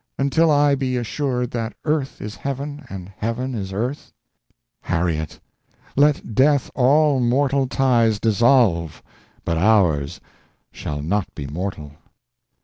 Until I be assured that Earth is Heaven And Heaven is Earth? ........ Harriet! let death all mortal ties dissolve, But ours shall not be mortal."